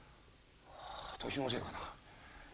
年のせいかな？